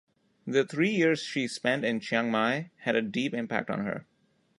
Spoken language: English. The three years she spent in Chiang Mai had a deep impact on her.